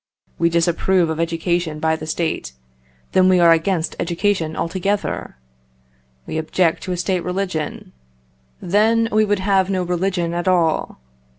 We disapprove of education by the State then we are against education altogether. We object to a State religion then we would have no religion at all.